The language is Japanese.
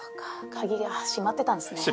鍵が閉まってたんですねこれ。